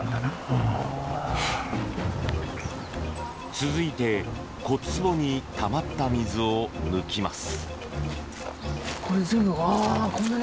続いて骨つぼにたまった水を抜きます。